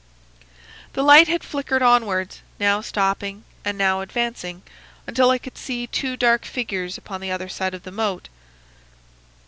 "The light had flickered onwards, now stopping and now advancing, until I could see two dark figures upon the other side of the moat.